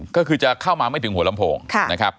ก็คือจะเข้ามาไม่ถึงหัวลำโพงนะครับ